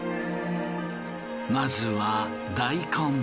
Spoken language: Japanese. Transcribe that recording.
まずは大根。